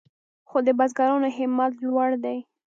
خو د بزګرانو همت لوړ دی.